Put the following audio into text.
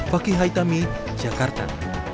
fakih haitami jakarta